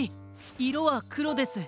いろはくろです。